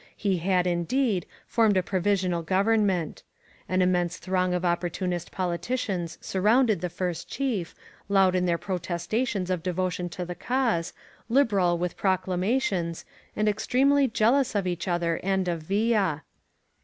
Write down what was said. He had, indeed, formed a proyisional govemment. An immense throng of opportunist poli* ticians surrounded the First Chief, loud in their pro testations of devotion to the Cause, liberal with procla / mations, and extremely jealous of each other and of Villa.